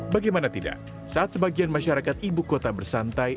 bagaimana tidak saat sebagian masyarakat ibu kota bersantai